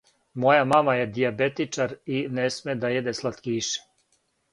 Моја мама је дијабетичар и не сме да једе слаткише.